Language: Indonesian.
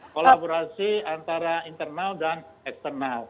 kolaborasi antara internal dan eksternal